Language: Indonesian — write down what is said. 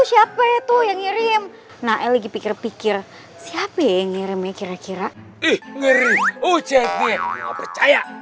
siapa itu yang ngirim nah lagi pikir pikir siapa yang ngirimnya kira kira percaya